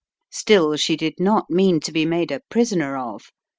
Still she did not mean to be made a prisoner of.